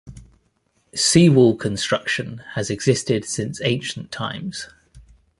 Seawall construction has existed since ancient times.